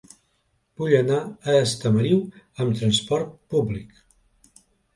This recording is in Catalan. Vull anar a Estamariu amb trasport públic.